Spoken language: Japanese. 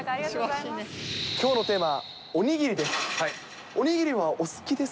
きょうのテーマはおにぎりです。